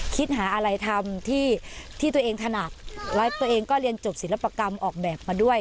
คิดหาอะไรทำที่ตัวเองถนัดแล้วตัวเองก็เรียนจบศิลปกรรมออกแบบมาด้วย